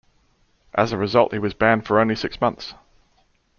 As a result he was banned for only six months.